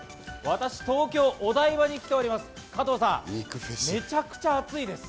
私、東京・お台場に来ております。